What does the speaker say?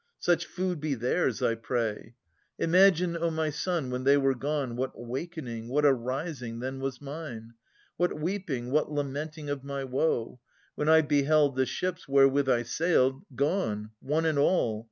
Such food be theirs, I pray ! Imagine, O my son, when they were gone, What wakening, what arising, then was mine; What weeping, what lamenting of my woe ! When I beheld the ships, wherewith I sailed. Gone, one and all